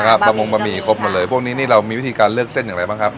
ประมงบะหมี่ครบหมดเลยพวกนี้นี่เรามีวิธีการเลือกเส้นอย่างไรบ้างครับ